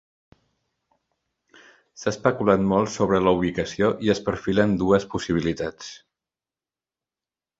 S'ha especulat molt sobre la ubicació i es perfilen dues possibilitats.